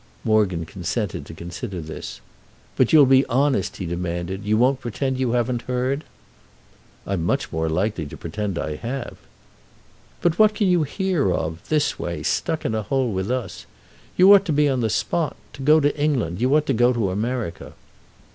Morgan consented to consider this. "But you'll be honest," he demanded; "you won't pretend you haven't heard?" "I'm much more likely to pretend I have." "But what can you hear of, this way, stuck in a hole with us? You ought to be on the spot, to go to England—you ought to go to America."